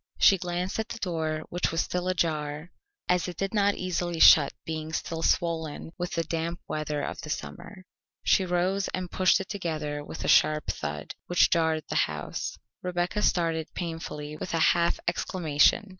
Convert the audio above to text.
She glanced at the door, which was still ajar, as it did not easily shut, being still swollen with the damp weather of the summer. She rose and pushed it together with a sharp thud, which jarred the house. Rebecca started painfully with a half exclamation.